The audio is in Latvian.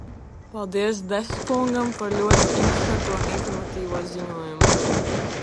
Paldies Dess kungam par ļoti interesanto un informatīvo ziņojumu.